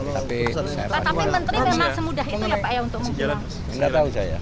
tapi menteri memang semudah itu ya pak ya untuk menghilang